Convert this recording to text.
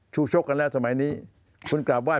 ชูโชคกันแล้วสมัยนี้